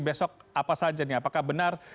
besok apa saja nih apakah benar